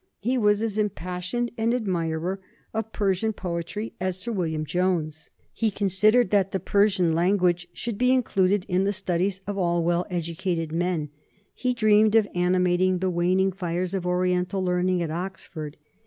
He was as impassioned an admirer of Persian poetry as Sir William Jones; he considered that the Persian language should be included in the studies of all well educated men; he dreamed of animating the waning fires of Oriental learning at Oxford.